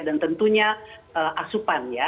dan tentunya asupan ya